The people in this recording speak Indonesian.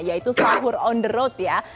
yaitu sahur on the road ya